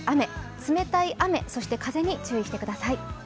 冷たい雨、そして風に注意してください。